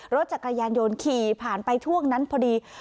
รถจักรยานยนต์ขี่ผ่านไปช่วงนั้นพอดี